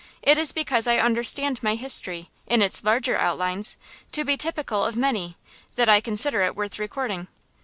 It is because I understand my history, in its larger outlines, to be typical of many, that I consider it worth recording.